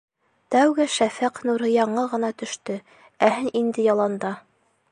Тәүге шәфәҡ нуры яңы ғына төштө, ә һин инде яланда!